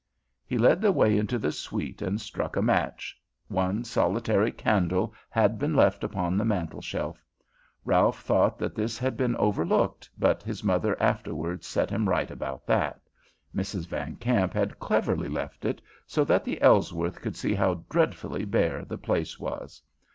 He led the way into the suite and struck a match. One solitary candle had been left upon the mantel shelf. Ralph thought that this had been overlooked, but his mother afterwards set him right about that. Mrs. Van Kamp had cleverly left it so that the Ellsworths could see how dreadfully bare the place was.